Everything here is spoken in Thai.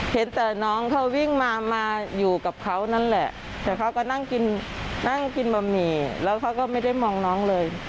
เห็นแต่น้องเขาวิ่งมามาอยู่กับเขานั่นแหละแต่เขาก็นั่งกินนั่งกินบะหมี่แล้วเขาก็ไม่ได้มองน้องเลย